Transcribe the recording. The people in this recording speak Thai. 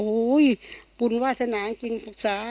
ก็มีคุณผู้ช่วยดิโนหร์ได้โอ้โฮภูมิวาสนาจริงฐุได้จะขอให้